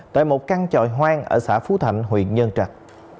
tại một căn tròi hoang ở xã phú thạnh huyện nhân trạch